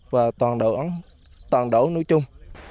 và toàn đổ nước chung